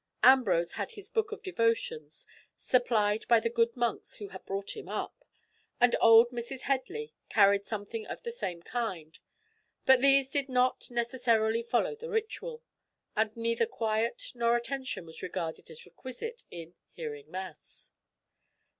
Ambrose had his book of devotions, supplied by the good monks who had brought him up, and old Mrs. Headley carried something of the same kind; but these did not necessarily follow the ritual, and neither quiet nor attention was regarded as requisite in "hearing mass."